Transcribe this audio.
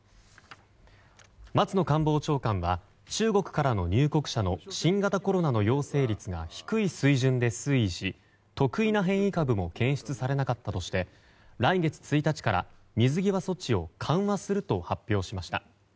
松野官房長官は中国からの入国者の新型コロナの陽性率が低い水準で推移し特異な変異株も検出されなかったとして来月１日から水際措置を緩和すると発表しました。